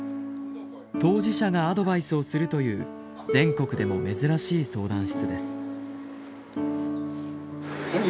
当事者がアドバイスをするという全国でも珍しい相談室です。